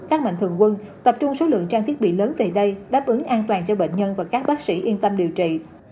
các mạnh thường quân tập trung số lượng trang thiết bị lớn về đây đáp ứng an toàn cho bệnh nhân và các bác sĩ yên tâm điều trị